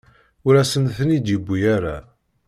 Ur asen-ten-id-yewwi ara.